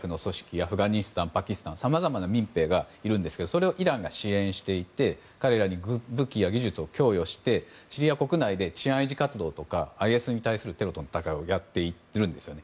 アフガニスタン、パキスタンさまざまな民兵がいるんですけどそれをイランが支援していて彼らに武器や技術を供与してシリア国内で治安維持活動やＩＳに対するテロとの戦いをやっているんですね